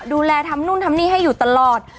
ดูแลทำนู่นทำนี่ให้อยู่ตลอด